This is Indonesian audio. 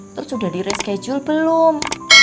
terus sudah di reschedule belum